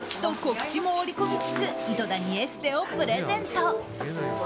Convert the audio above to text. グイッと告知も織り込みつつ井戸田にエステをプレゼント。